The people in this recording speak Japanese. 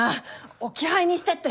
置き配にしてって。